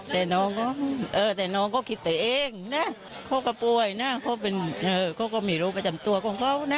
แต่น้องแต่น้องก็คิดไปเองนะเขาก็ป่วยนะเขาก็มีโรคประจำตัวของเขานะ